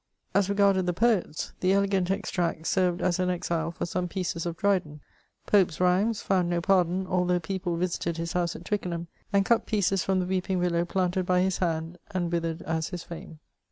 As reg^ded the poets, the '^ Elegant Extracts" .served as an exile for some pieces of Dryden ; Pope^s rhymes found no pardon, although people visited his house at Twickenham, and cut pieces from the weeping willow planted by his hand and witoiered as his fame.